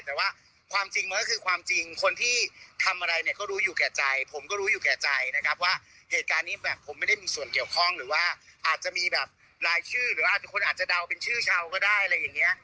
แต่ว่าความจริงมันก็คือความจริงคนที่ทำอะไรเนี่ยก็รู้อยู่แก่ใจผมก็รู้อยู่แก่ใจนะครับว่าเหตุการณ์นี้แบบผมไม่ได้มีส่วนเกี่ยวข้องหรือว่าอาจจะมีแบบรายชื่อหรือว่าคนอาจจะเดาเป็นชื่อชาวก็ได้อะไรอย่างนี้